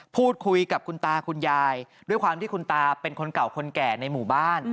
พูดคุยกับคุณตาคุณยายด้วยความที่คุณตาเป็นคนเก่าคนแก่ในหมู่บ้าน